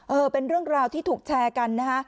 เออเป็นเรื่องราวที่ถูกแชร์กันนะฮะ